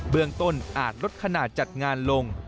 เมืองต้นอาจลดขนาดจัดงานลง